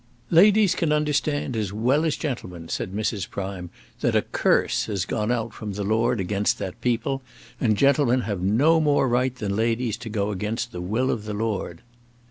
"Ladies can understand as well as gentlemen," said Mrs. Prime, "that a curse has gone out from the Lord against that people; and gentlemen have no more right than ladies to go against the will of the Lord."